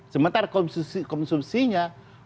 sementara konsumsinya dua